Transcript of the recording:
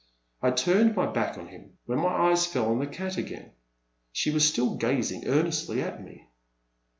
I turned my back on him. Then my eyes fell on the cat again. She was still gazing earnestly at me.